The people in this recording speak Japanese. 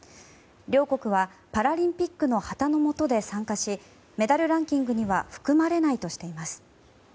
両国は、パラリンピックの旗のもとで参加しメダルランキングには含まれないとしています。